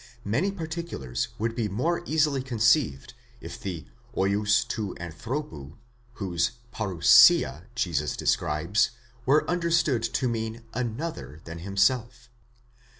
many par ticulars would be more easily conceived, if the vids τοῦ ἀνθρώπου whose παρουσία Jesus describes, were understood to mean another than himself.